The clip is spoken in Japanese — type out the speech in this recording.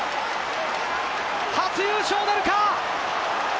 初優勝なるか？